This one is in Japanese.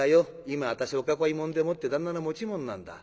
今私お囲い者でもって旦那の持ち物なんだ。